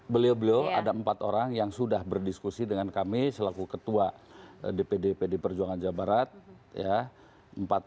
beliau beliau ada empat orang yang sudah berdiskusi dengan kami selaku ketua dpd pd perjuangan jawa barat